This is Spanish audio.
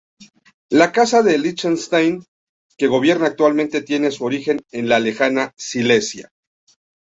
La Casa de Liechtenstein que gobierna actualmente tiene su origen en la lejana Silesia.